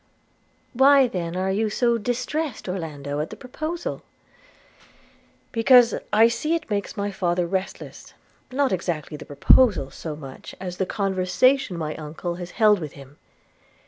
'Why then are you so distrest, Orlando, at the proposal?' 'Because I see it makes my father restless – not exactly the proposal, so much as the conversation my uncle has held with him.